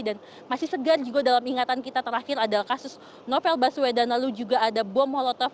dan masih segar juga dalam ingatan kita terakhir adalah kasus novel baswedan lalu juga ada bom molotov